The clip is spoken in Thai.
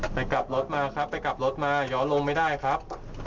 ไปกลับรถมาครับไปกลับรถมาย้อนลงไม่ได้ครับ